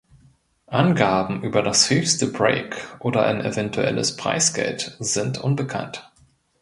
Angaben über das höchste Break oder ein eventuelles Preisgeld sind unbekannt.